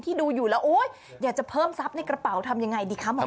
ที่ดูอยู่แล้วโอ๊ยเดี๋ยวจะเพิ่มทรัพย์ในกระเป๋าทำอย่างไรดีคะหมอไก่